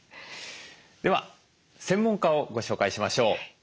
では専門家をご紹介しましょう。